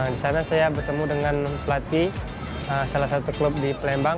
di sana saya bertemu dengan pelatih salah satu klub di pelembang